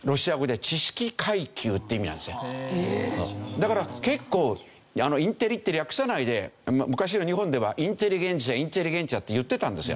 だから結構「インテリ」って略さないで昔の日本では「インテリゲンチア」「インテリゲンチア」って言ってたんですよ。